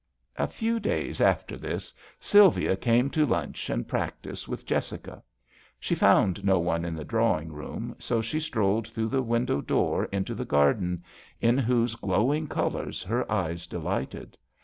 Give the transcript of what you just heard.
A few days after this Sylvia came to lunch and practise with Jessica. She found no one in the drawing room so she strolled through the window door into the garden, in whose glowing colours her eyes delighted.